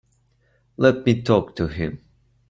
Let me talk to him.